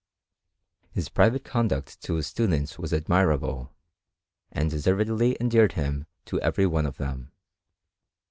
His private conduct to his students was admirable, and deservedly endeared him to every one of them.